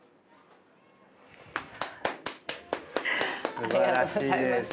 すばらしいです。